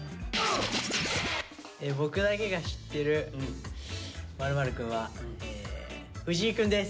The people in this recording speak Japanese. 「僕だけが知ってる○○くん」は藤井くんです。